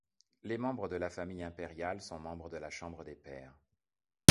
Les membres de la famille impériale sont membres de la Chambre des Pairs.